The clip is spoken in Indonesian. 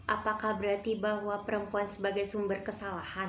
apakah berarti bahwa perempuan sebagai sumber kesalahan